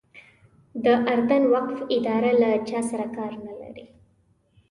د اردن وقف اداره له چا سره کار نه لري.